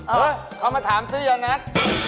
เออเขามาถามซื้อยานัท